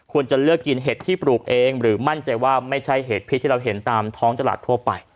ควรจะเลือกกินเห็ดที่ปลูกเองหรือมั่นใจว่าไม่ใช่เห็ดพิษที่เราเห็นตามท้องตลาดทั่วไป